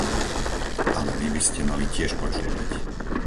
Ale vy by ste mali tiež počúvať.